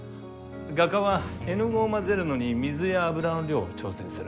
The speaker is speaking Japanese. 画家は絵の具を混ぜるのに水や油の量を調整する。